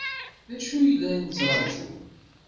D acu ay la nettṛaju?